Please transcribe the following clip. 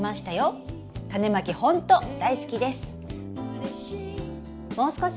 タネまきほんと大好きです！」。